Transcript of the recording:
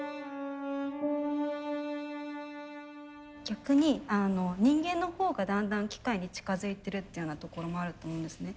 逆に人間のほうがだんだん機械に近づいてるっていうようなところもあると思うんですね。